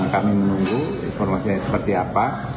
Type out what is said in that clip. kami menunggu informasinya seperti apa